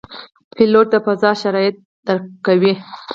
پیلوټ د فضا شرایط درک کوي.